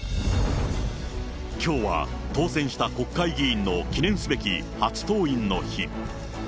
きょうは当選した国会議員の記念すべき初登院の日。